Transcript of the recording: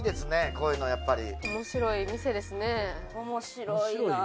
こういうのやっぱり。